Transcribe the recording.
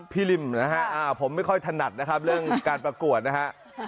ริมนะฮะผมไม่ค่อยถนัดนะครับเรื่องการประกวดนะฮะ